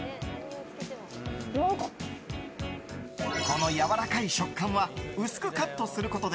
このやわらかい食感は薄くカットすることで